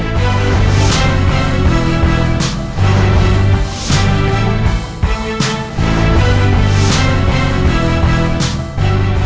เกมต่อชีวิต